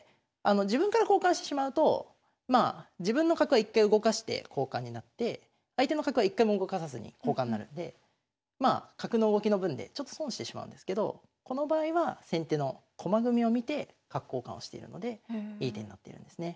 自分から交換してしまうとまあ自分の角は一回動かして交換になって相手の角は一回も動かさずに交換になるんでまあ角の動きの分でちょっと損してしまうんですけどこの場合は先手の駒組みを見て角交換をしてるのでいい手になってるんですね。